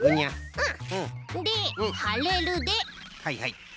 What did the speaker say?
うん。